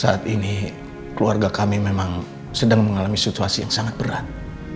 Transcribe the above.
saat ini keluarga kami memang sedang mengalami situasi yang sangat berat